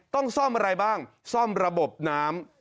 ต้องซ่อมอะไรบ้างซ่อมระบบน้ำ